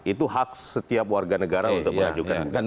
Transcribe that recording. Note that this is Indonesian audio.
itu hak setiap warga negara untuk mengajukan